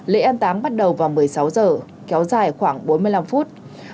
lễ an tám bắt đầu vào một mươi sáu giờ kéo dài khoảng bốn mươi năm phút